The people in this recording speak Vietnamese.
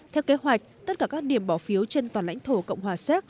theo kế hoạch tất cả các điểm bỏ phiếu trên toàn lãnh thổ cộng hòa séc